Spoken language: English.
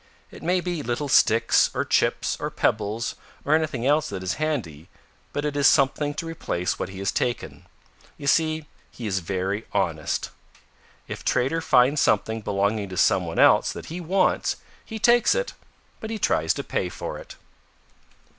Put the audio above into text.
It may be little sticks or chips or pebbles or anything else that is handy but it is something to replace what he has taken. You see, he is very honest. If Trader finds something belonging to some one else that he wants he takes it, but he tries to pay for it.